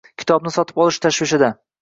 Kitobni sotib olish tashvishida.